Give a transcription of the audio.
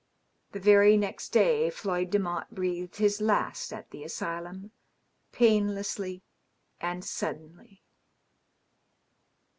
The very next day Floyd Demotte breathed his last at the asylum, painlessly and suddenly.